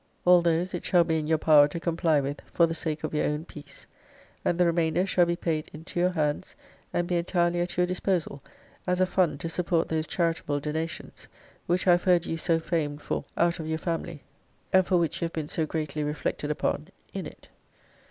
All those it shall be in your power to comply with, for the sake of your own peace. And the remainder shall be paid into your hands, and be entirely at your disposal, as a fund to support those charitable donations, which I have heard you so famed for out of your family, and for which you have been so greatly reflected upon in it.